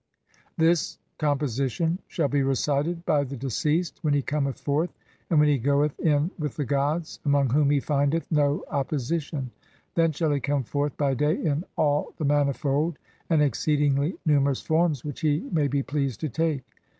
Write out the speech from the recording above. This com position shall be recited by the deceased when he cometh forth and when he goeth in with the gods, among whom he findeth no opposition ; then shall he come forth by day in all the HYMN TO RA TEM. +> manifold and exceedingly numerous forms which he may be pleased to take.